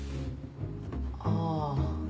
ああ。